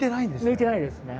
抜いてないですね。